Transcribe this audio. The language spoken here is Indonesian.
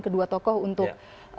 kedua tokoh untuk